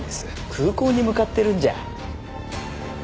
空港に向かってるんじゃ？